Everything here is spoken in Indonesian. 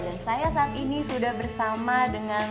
dan saya saat ini sudah bersama dengan